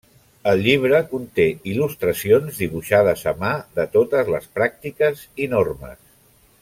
El llibre conté il·lustracions dibuixades a mà de totes les pràctiques i normes.